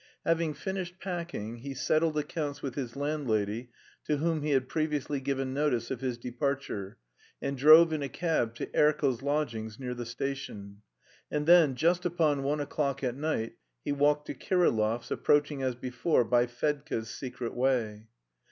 Having finished packing, he settled accounts with his landlady to whom he had previously given notice of his departure, and drove in a cab to Erkel's lodgings, near the station. And then just upon one o'clock at night he walked to Kirillov's, approaching as before by Fedka's secret way.